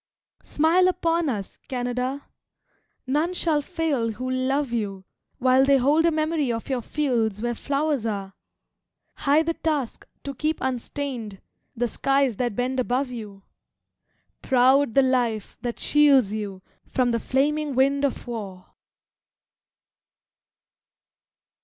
Smile upon us, Canada! None shall fail who love you While they hold a memory of your fields where flowers are High the task to keep unstained the skies that bend above you, Proud the life that shields you from the flaming wind of war!